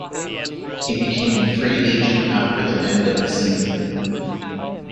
He became a free agent after the end of the season.